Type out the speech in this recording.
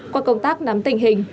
qua công tác nắm tình hình